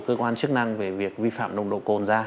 cơ quan chức năng về việc vi phạm nồng độ cồn ra